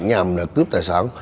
nhằm là cướp tài sản